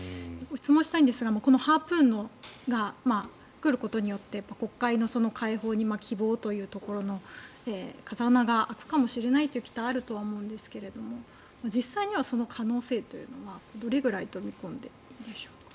質問したいんですがハープーンが来ることによって黒海の解放に希望というところの風穴が開くかもしれないという期待はあると思うんですが実際にはその可能性というのはどのくらいでしょうか？